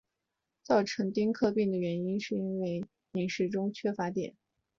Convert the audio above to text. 造成克汀病的原因是因为饮食中缺乏碘。